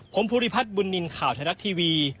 ผมภูริพัฒน์บุญนินทร์ข่าวไทยรัฐทีวี